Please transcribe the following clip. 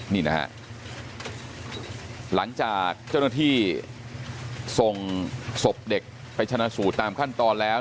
นี่นะฮะหลังจากเจ้าหน้าที่ส่งศพเด็กไปชนะสูตรตามขั้นตอนแล้ว